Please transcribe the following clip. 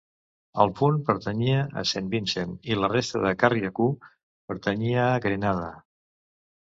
El punt pertanyia a Saint Vincent i la resta de Carriacou pertanyia a Grenada.